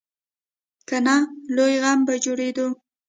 که نه، لوی غم به جوړېدو.